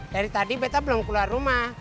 dari tadi beta belum keluar rumah